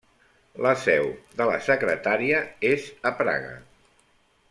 La seu de la secretària és a Praga.